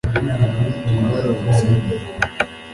twaronse